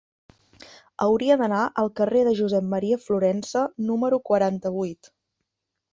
Hauria d'anar al carrer de Josep M. Florensa número quaranta-vuit.